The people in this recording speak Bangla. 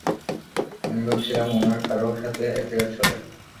আমি ভাবছিলাম ওনার কারো সাথে অ্যাফেয়ার চলে।